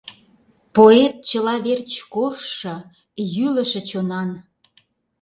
Поэт чыла верч коржшо, йӱлышӧ чонан.